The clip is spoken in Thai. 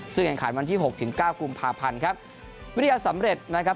ซึ่งแข่งขันวันที่หกถึงเก้ากุมภาพันธ์ครับวิทยาสำเร็จนะครับ